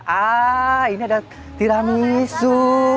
ah ini ada tiramisu